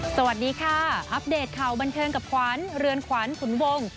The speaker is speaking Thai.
สวัสดีค่ะอัปเดตข่าวบันเทิงกับขวัญเรือนขวัญขุนวง